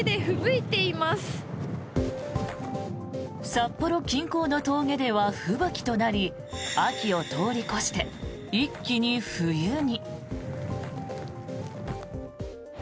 札幌近郊の峠では吹雪となり秋を通り越して一気に冬に。